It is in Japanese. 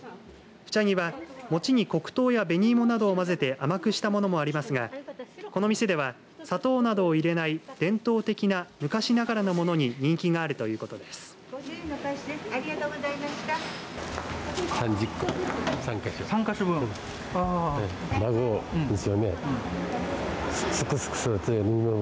フチャギは餅に黒糖や紅芋などをまぜて甘くしたものもありますがこの店では砂糖などを入れない伝統的な昔ながらのものに人気があるということです。